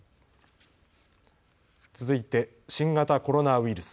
ついて新型コロナウイルス。